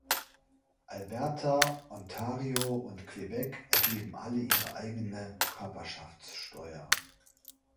Alberta, Ontario und Quebec erheben alle ihre eigene Körperschaftssteuer.